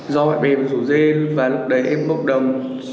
do bạn bè rủ dê và lúc đấy em bốc đồng